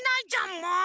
もう！